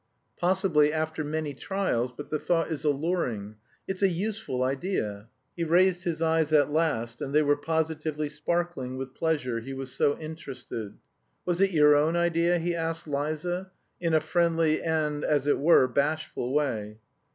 Possibly after many trials; but the thought is alluring. It's a useful idea." He raised his eyes at last, and they were positively sparkling with pleasure, he was so interested. "Was it your own idea?" he asked Liza, in a friendly and, as it were, bashful way.